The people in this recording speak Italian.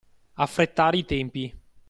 Affrettare i tempi!